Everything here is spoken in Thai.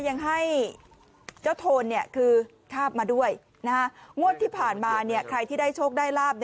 ยังให้เจ้าโทนคือคาบมาด้วยงวดที่ผ่านมาใครที่ได้โชคได้ลาบ